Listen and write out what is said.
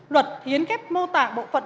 luật hiến khép mô tạng bộ phận